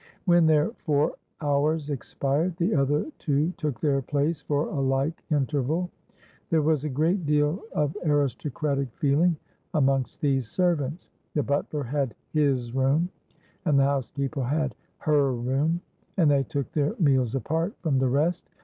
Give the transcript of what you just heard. When their four hours expired, the other two took their place for a like interval. There was a great deal of aristocratic feeling amongst these servants. The butler had his room, and the housekeeper had her room; and they took their meals apart from the rest.